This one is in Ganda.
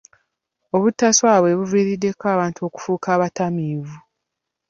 Obutaswala bwe buviiriddeko abantu okufuuka abatamiivi.